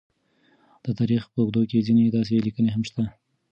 د تاریخ په اوږدو کې ځینې داسې لیکنې هم شته،